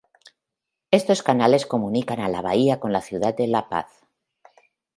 Estos canales comunican a la bahía con la ciudad de La Paz.